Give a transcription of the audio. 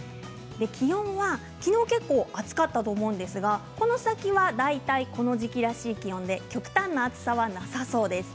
気温は、きのうは結構、暑かったと思うんですがこの先は大体この時季らしい気温で極端な暑さはなさそうです。